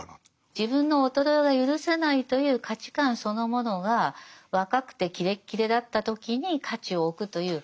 自分の衰えは許せないという価値観そのものが若くてキレッキレだった時に価値を置くという評価軸ですよね。